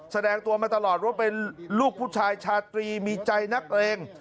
แสดงตัวมาตลอดว่าเป็นลูกผู้ชายชาตรีมีใจนักเลง